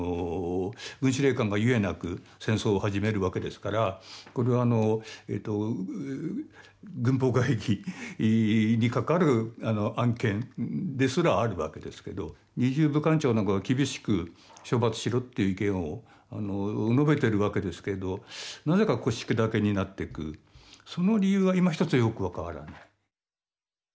軍司令官が故なく戦争を始めるわけですからこれは軍法会議にかかる案件ですらあるわけですけど侍従武官長なんかが厳しく処罰しろという意見を述べてるわけですけれどなぜか腰砕けになってくその理由はいまひとつよく分からない。